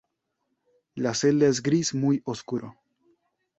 La celda es gris muy oscuro.